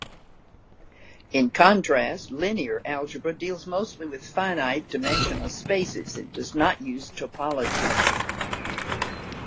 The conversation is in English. In contrast, linear algebra deals mostly with finite-dimensional spaces, and does not use topology.